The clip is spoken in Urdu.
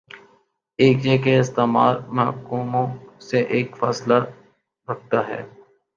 ایک یہ کہ استعمار محکوموں سے ایک فاصلہ رکھتا ہے۔